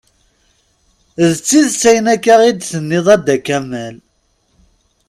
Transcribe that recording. D tidet ayen akka i d-tenniḍ a Dda kamal.